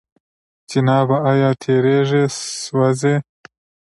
جنابه! آيا تيږي سوزي؟